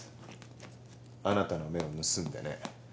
あなたの目を盗んでね。